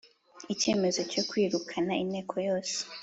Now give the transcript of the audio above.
Icyemezo cyo kwirukana inteko yose